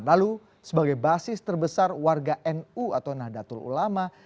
lalu sebagai basis terbesar warga nu atau nahdlatul ulama